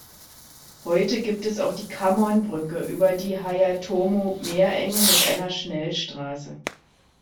Heute gibt es auch die Kammon-Brücke über die Hayatomo-Meerenge mit einer Schnellstraße.